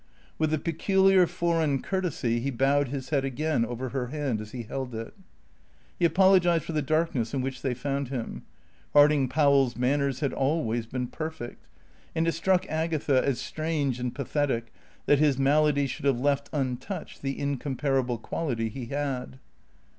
With a peculiar foreign courtesy he bowed his head again over her hand as he held it. He apologised for the darkness in which they found him. Harding Powell's manners had always been perfect, and it struck Agatha as strange and pathetic that his malady should have left untouched the incomparable quality he had.